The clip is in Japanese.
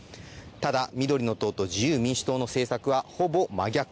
ただ自由民主党の政策はほぼ真逆。